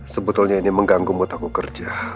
sebetulnya ini mengganggu mutaku kerja